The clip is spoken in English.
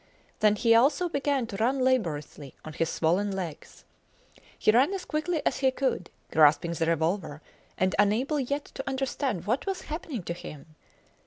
Then he also began to run laboriously on his swollen legs. He ran as quickly as he could, grasping the revolver, and unable yet to understand what was happening to him.